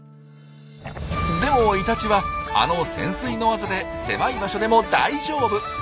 でもイタチはあの潜水のワザで狭い場所でも大丈夫。